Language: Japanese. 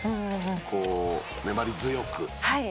「こう粘り強く」「はい」